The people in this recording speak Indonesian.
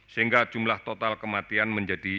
sehingga jumlah total kematian menjadi satu ratus tiga belas